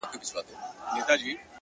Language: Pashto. • زه وايم دا ـ